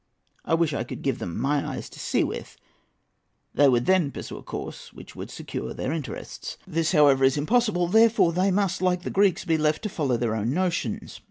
I wish I could give them my eyes to see with—they would then pursue a course which would secure their interests. This, however, is impossible; therefore they must, like the Greeks, be left to follow their own notions.